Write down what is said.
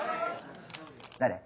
・誰？